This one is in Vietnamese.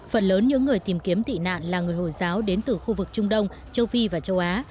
phần lớn những người tìm kiếm tị nạn là người hồi giáo đến từ khu vực trung đông châu phi và châu á